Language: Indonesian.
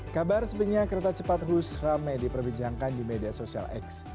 kabar sepinya kereta cepat hus rame diperbincangkan di media sosial x